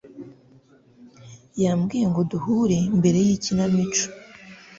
yambwiye ngo duhure imbere yikinamico.